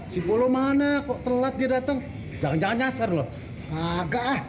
si polo mana kok terlalu datang jangan nyasar loh